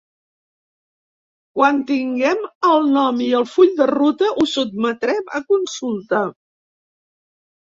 Quan tinguem el nom i el full de ruta, ho sotmetrem a consulta.